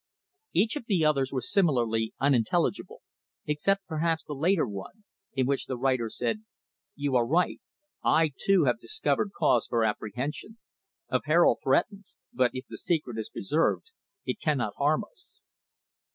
Each of the others were similarly unintelligible, except perhaps the later one, in which the writer said: "You are right. I, too, have discovered cause for apprehension. A peril threatens, but if the secret is preserved it cannot harm us."